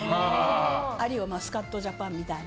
あるいは「スカッとジャパン」みたいな。